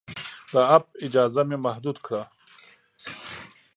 د اپ اجازه مې محدود کړه.